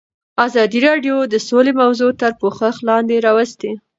ازادي راډیو د سوله موضوع تر پوښښ لاندې راوستې.